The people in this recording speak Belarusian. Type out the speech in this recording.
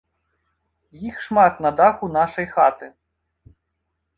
Іх шмат на даху нашай хаты.